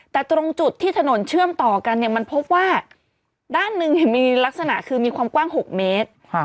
แต่ตรงจุดที่ถนนเชื่อมต่อกันเนี่ยมันพบว่าด้านหนึ่งมีลักษณะคือมีความกว้าง๖เมตร